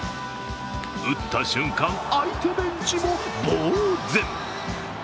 打った瞬間、相手ベンチもぼう然。